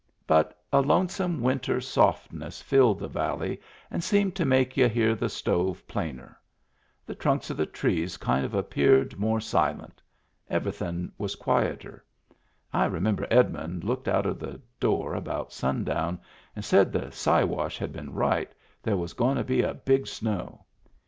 But a lonesome winter softness filled the valley and seemed to make y'u hear the stove plainer. The trunks of the trees kind of appeared more silent. Everythin' was quieter. I remember Ed mund looked out of the door about sundown and said the Siwash had been right, there was goin' to be a big snow.